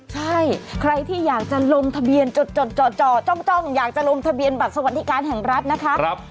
ใช่ใครที่อยากจะลงทะเบียนจดจ่อจ้องอยากจะลงทะเบียนบัตรสวัสดิการแห่งรัฐนะคะ